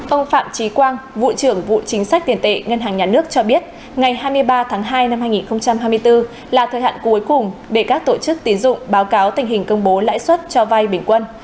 ông phạm trí quang vụ trưởng vụ chính sách tiền tệ ngân hàng nhà nước cho biết ngày hai mươi ba tháng hai năm hai nghìn hai mươi bốn là thời hạn cuối cùng để các tổ chức tiến dụng báo cáo tình hình công bố lãi suất cho vai bình quân